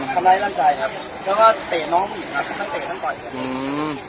คำไรร่างกายครับแล้วก็เตะน้องผู้หญิงครับมันเตะทั้งต่ออีกครับอืม